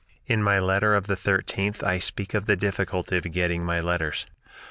In my letter of the 13th I speak of the difficulty of getting my letters.